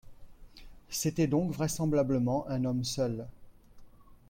C’était donc vraisemblablement un homme seul.